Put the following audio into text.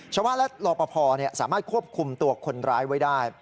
ชาวบ้านและรอปภสามารถควบคุมตัวคนร้ายไว้ได้